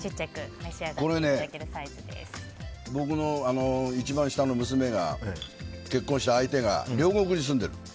これね、僕の一番下の娘が結婚した相手が両国に住んでる。